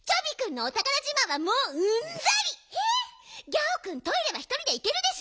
ギャオくんトイレはひとりでいけるでしょ？